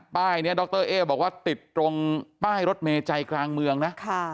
ป้ายนี้ดรเอ๊บอกว่าติดตรงป้ายรถเมย์ใจกลางเมืองนะ